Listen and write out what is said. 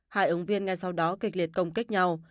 hai ứng viên ngay sau đó kịch liệt công kích nhau